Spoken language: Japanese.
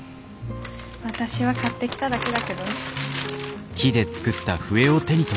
私は買ってきただけだけどね。